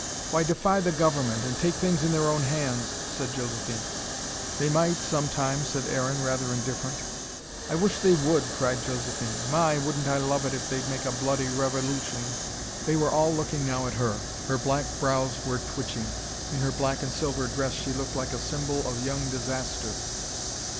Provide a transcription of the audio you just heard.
"Why, defy the government, and take things in their own hands," said Josephine. "They might, some time," said Aaron, rather indifferent. "I wish they would!" cried Josephine. "My, wouldn't I love it if they'd make a bloody revolution!" They were all looking now at her. Her black brows were twitching, in her black and silver dress she looked like a symbol of young disaster.